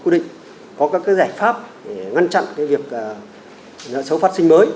để hạn chế đô la hóa